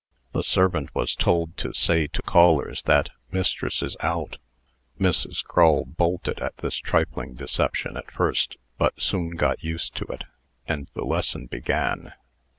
The servant was told to say to callers that "Mistress is out" (Mrs. Crull bolted at this trifling deception at first, but soon got used to it), and the lesson began.